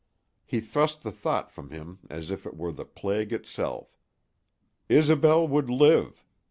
He thrust the thought from him as if it were the plague itself. Isobel would live.